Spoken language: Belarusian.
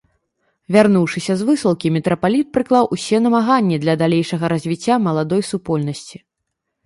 Вярнуўшыся з высылкі, мітрапаліт прыклаў усе намаганні для далейшага развіцця маладой супольнасці.